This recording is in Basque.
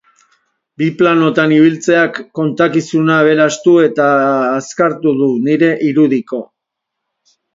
Bi planotan ibiltzeak kontakizuna aberastu eta azkartu du, nire irudiko.